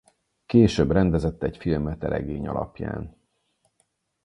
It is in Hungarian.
Később rendezett egy filmet e regény alapján.